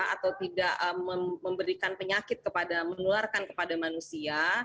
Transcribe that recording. atau tidak memberikan penyakit kepada menularkan kepada manusia